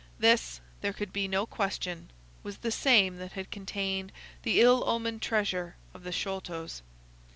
This, there could be no question, was the same that had contained the ill omened treasure of the Sholtos.